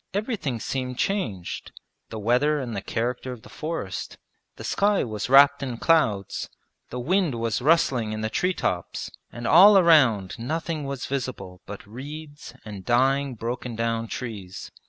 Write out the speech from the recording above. Everything seemed changed the weather and the character of the forest; the sky was wrapped in clouds, the wind was rustling in the tree tops, and all around nothing was visible but reeds and dying broken down trees.